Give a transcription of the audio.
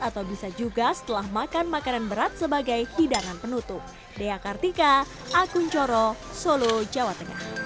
atau bisa juga setelah makan makanan berat sebagai hidangan penutup